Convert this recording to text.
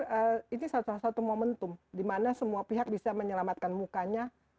saya pikir ini salah satu momentum di mana semua pihak bisa menyelamatkan mukanya